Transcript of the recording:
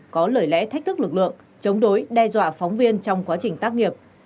có lời lẽ thách thức lực lượng chống đối đe dọa phóng viên trong quá trình tác nghiệp